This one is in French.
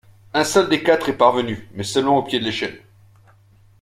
Un seul des quatre est parvenu, mais seulement au pied de l’échelle.